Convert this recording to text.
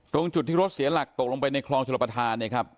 ตรงจุดที่รถเสียหลักตกลงไปในคลองชลประธานเนี่ยครับ